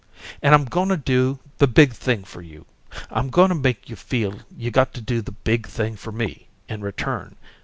And I'm goin' to do the big thing for you. I'm goin' to make you feel you got to do the big thing for me, in return.